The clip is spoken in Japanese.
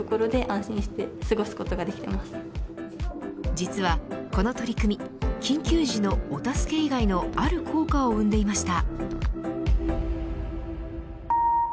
実は、この取り組み緊急じのお助け以外のある効果を生んでいました。